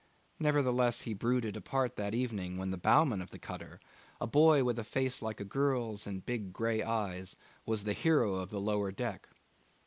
Nevertheless he brooded apart that evening while the bowman of the cutter a boy with a face like a girl's and big grey eyes was the hero of the lower deck.